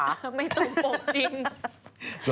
ไม่ตรงปกจริง